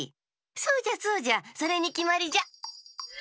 そうじゃそうじゃそれにきまりじゃ。